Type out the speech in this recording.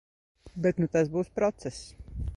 Bet nu tas būs process.